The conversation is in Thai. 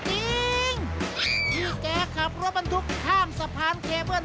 ที่แกขับรถบรรทุกข้างสะพานเคเวิร์ด